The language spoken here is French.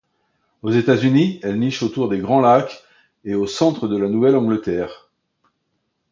Aux États-Unis, elle niche autour des Grands Lacs et au centre de la Nouvelle-Angleterre.